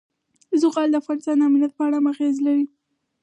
زغال د افغانستان د امنیت په اړه هم اغېز لري.